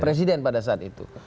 presiden pada saat itu